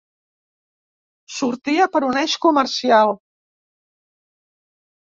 Sortia per un Eix comercial.